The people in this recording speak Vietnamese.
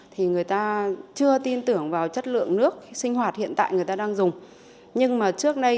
thì người ta chưa tin tưởng vào chất lượng nước sinh hoạt hiện tại người ta đang dùng nhưng mà trước nay